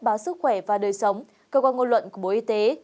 báo sức khỏe và đời sống cơ quan ngôn luận của bộ y tế